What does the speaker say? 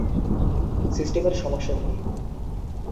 সিস্টেমের সমস্যা কি?